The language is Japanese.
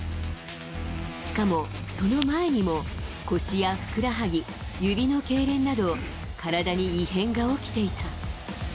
しかも、その前にも腰やふくらはぎ、指のけいれんなど、体に異変が起きていた。